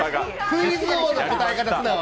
クイズ王の答え方すな。